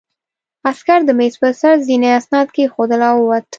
عسکر د مېز په سر ځینې اسناد کېښودل او ووت